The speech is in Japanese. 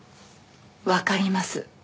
わかります。